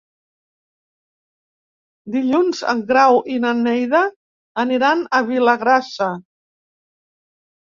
Dilluns en Grau i na Neida aniran a Vilagrassa.